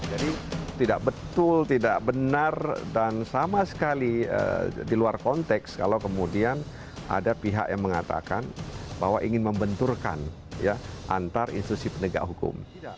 jadi tidak betul tidak benar dan sama sekali di luar konteks kalau kemudian ada pihak yang mengatakan bahwa ingin membenturkan antar institusi penegak hukum